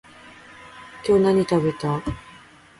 今日何食べた？